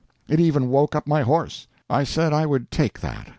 It even woke up my horse. I said I would take that.